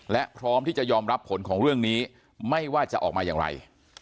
และพร้อมที่จะยอมรับผลของเรื่องนี้ไม่ว่าจะออกมาอย่างไร